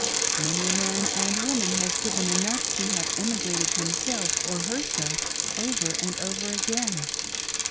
Many a man and woman has given enough to have emigrated himself or herself over and over again.